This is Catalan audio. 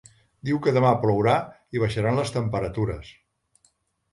Diu que demà plourà i baixaran les temperatures.